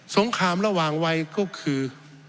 งครามระหว่างวัยก็คือ